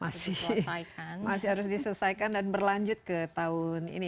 masih banyak prpr yang tampaknya masih di selesaikan masih harus diselesaikan dan berlanjut ke tahun ini